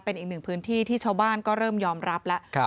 เป็นอีกหนึ่งพื้นที่ที่ชาวบ้านก็เริ่มยอมรับแล้ว